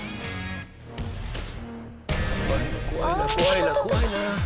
怖いな怖いな怖いな。